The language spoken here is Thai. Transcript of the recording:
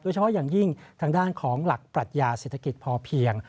เฉพาะอย่างยิ่งทางด้านของหลักปรัชญาเศรษฐกิจพอเพียง